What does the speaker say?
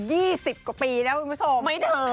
อยู่๒๐กว่าปีแล้วคุณผู้ชมว้าวไม่เถิง